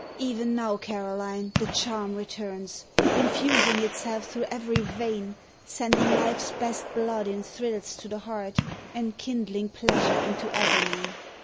Even now, Caroline, the charm returns, infusing itself through every vein, sending life's best blood in thrills to the heart, enkindling pleasure into agony!